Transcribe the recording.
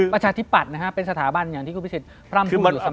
ประชาธิบัตินะครับเป็นสถาบันอย่างที่คุณพระศิษย์พร่ำผู้อยู่สมัครสำนวน